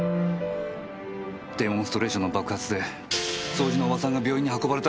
デモンストレーションの爆発で掃除のおばさんが病院に運ばれた。